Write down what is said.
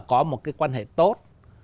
có một cái quan hệ tốt